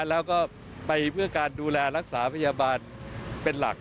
แล้วก็ไปเพื่อการดูแลรักษาพยาบาลเป็นหลัก